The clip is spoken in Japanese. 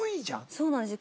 そうなんですよ。